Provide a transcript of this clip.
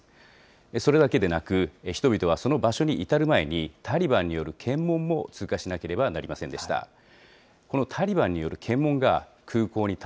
それだけでなく、人々はその場所に至る前に、タリバンによる検問も通過しなければなりませんでした。